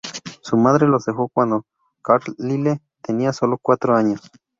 Su madre los dejó cuando Carlyle tenía sólo cuatro años.